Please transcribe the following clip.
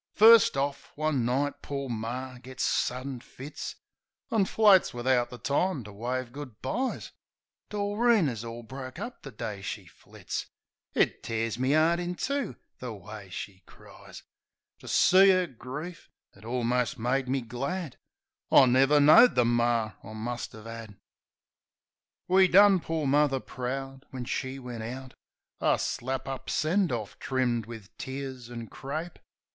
First orf, one night poor Mar gits suddin fits, An' floats wivout the time to wave "good byes." Doreen is orl broke up the day she flits; It tears me 'eart in two the way she cries. To see 'er grief, it almost made me glad I never knowed the mar I must 'ave 'ad. We done poor Muvver proud when she went out — A slap up send orf, trimmed wiv tears an' crape.